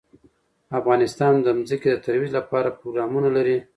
افغانستان د ځمکه د ترویج لپاره پروګرامونه لري.